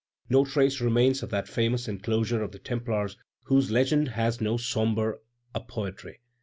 No trace remains of that famous enclosure of the Templars whose legend has so sombre a poetry.